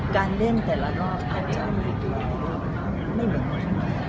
การเล่นแต่ละรอบอาจจะไม่เหมือนกัน